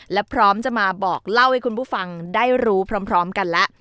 และพร้อมจะมาบอกเล่าให้คุณผู้ฟังได้รู้พร้อมกันแล้ว